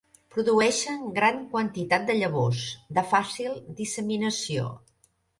Produeixen gran quantitat de llavors, de fàcil disseminació.